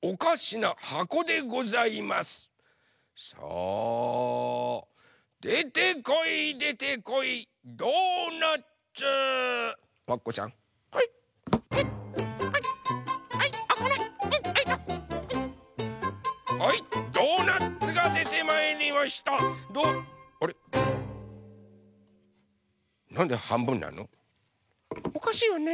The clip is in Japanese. おかしいわね。